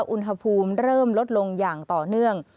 อุณหภูมิเริ่มลดลงอย่างต่อเนื่อง